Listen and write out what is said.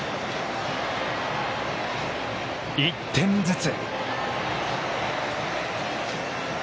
１点ずつ。